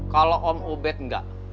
kalau om ubed enggak